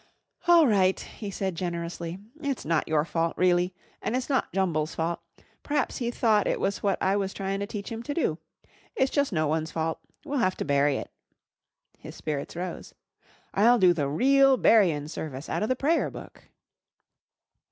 "All right!" he said generously. "It's not your fault really. An' it's not Jumble's fault. P'r'aps he thought it was what I was tryin' to teach him to do. It's jus' no one's fault. We'll have to bury it." His spirits rose. "I'll do the reel buryin' service out of the Prayer Book."